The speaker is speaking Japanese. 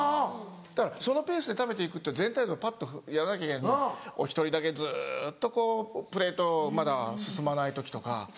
だからそのペースで食べて行くっていう全体像をパッとやらなきゃいけないのにお１人だけずっとこうプレートまだ進まない時とか。